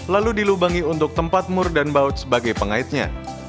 lalu dilubangi untuk tempat mur dan baut sebagai pengaitnya